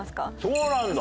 そうなんだ！